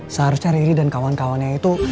seharusnya riri dan kawan kawannya itu